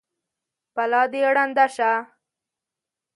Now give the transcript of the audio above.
بلا دې ړنده شه!